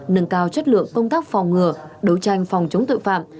nâng cao chất lượng công tác phòng ngừa đấu tranh phòng chống tội phạm